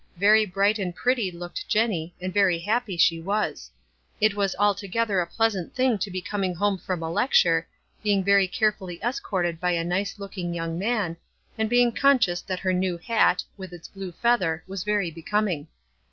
Very bright and pretty looked Jenny, and very happy she was. It was altogether a pleasant thing to be coming home from a lecture, being very carefully escorted by a nice looking young man, and being conscious that her new hat, with its blue feather, was very becoming.